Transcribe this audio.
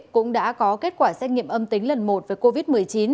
cũng đã có kết quả xét nghiệm âm tính lần một với covid một mươi chín